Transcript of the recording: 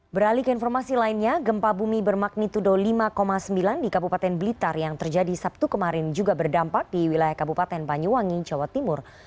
beralih ke informasi lainnya gempa bumi bermagnitudo lima sembilan di kabupaten blitar yang terjadi sabtu kemarin juga berdampak di wilayah kabupaten banyuwangi jawa timur